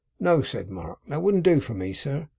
'No,' said Mark. 'That wouldn't do for me, sir.